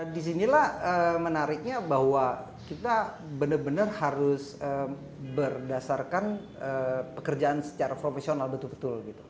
di sinilah menariknya bahwa kita benar benar harus berdasarkan pekerjaan secara profesional betul betul